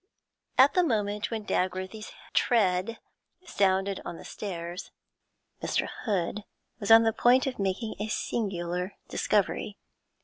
At the moment when Dagworthy's tread sounded on the stairs, Mr. Hood was on the point of making a singular discovery.